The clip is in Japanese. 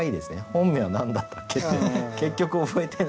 「本名は何だったっけ」って結局覚えてない。